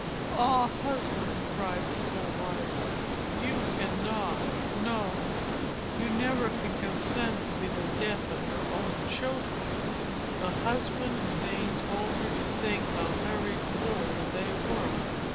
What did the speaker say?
"Ah! husband," cried the poor wife, "you cannot, no, you never can consent to be the death of your own children." The husband in vain told her to think how very poor they were.